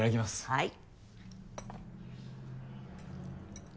はい。